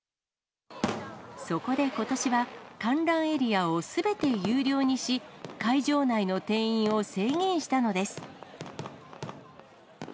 そこでことしは、観覧エリアをすべて有料にし、会場内の定員を制限したのです。